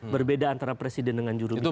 berbeda antara presiden dengan jurubicara